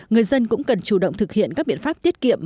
người dân cũng cần chủ động thực hiện các biện pháp tiết kiệm